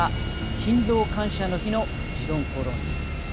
勤労感謝の日の「時論公論」です。